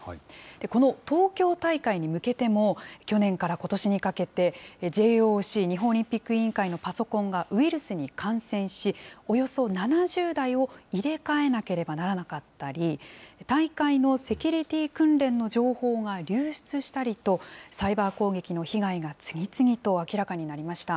この東京大会に向けても、去年からことしにかけて、ＪＯＣ・日本オリンピック委員会のパソコンがウイルスに感染し、およそ７０台を入れ替えなければならなかったり、大会のセキュリティー訓練の情報が流出したりと、サイバー攻撃の被害が次々と明らかになりました。